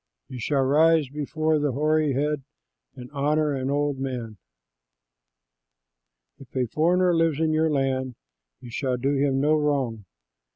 You shall rise before the hoary head and honor an old man. If a foreigner lives in your land, you shall do him no wrong.